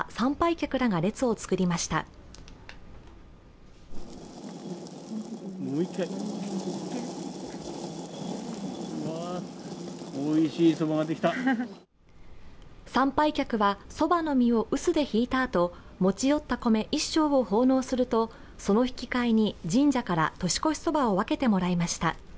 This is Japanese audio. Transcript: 参拝客はそばの実を臼でひいたあと、持ち寄った米１升を奉納するとその引き換えに神社から年越しそばを分けてもらいました。